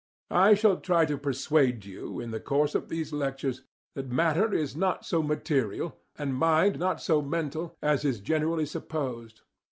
I shall try to persuade you, in the course of these lectures, that matter is not so material and mind not so mental as is generally supposed.